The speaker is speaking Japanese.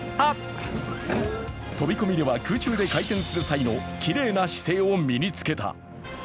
飛び込みでは空中で回転する際のきれいな姿勢を身につけた。